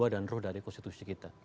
menjadi jiwa dan ruh dari konstitusi kita